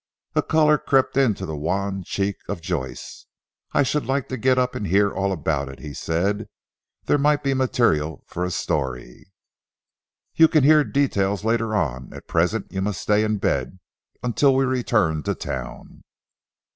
A colour crept into the wan cheek of Joyce. "I should like to get up and hear all about it," said he, "there might be material for a story." "You can hear details later on. At present you must stay in bed, until we return to Town."